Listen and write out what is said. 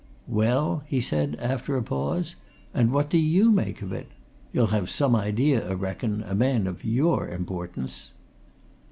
"Well?" he said, after a pause. "And what do you make of it? You'll have some idea, I reckon, a man of your importance."